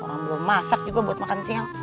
orang belum masak juga buat makan siang